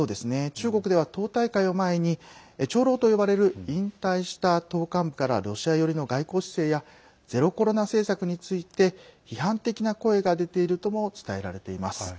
中国では党大会を前に長老と呼ばれる引退した党幹部からロシア寄りの外交姿勢やゼロコロナ政策について批判的な声が出ているとも伝えられています。